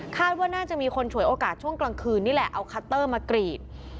ว่าน่าจะมีคนฉวยโอกาสช่วงกลางคืนนี่แหละเอาคัตเตอร์มากรีด